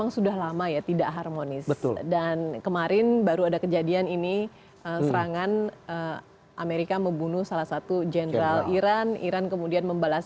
salah satu general iran iran kemudian membalas